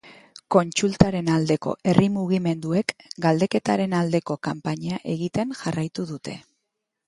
Kontsultaren aldeko herri mugimenduek galdeketaren aldeko kanpaina egiten jarraitu dute.